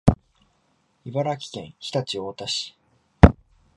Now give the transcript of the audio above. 茨城県常陸太田市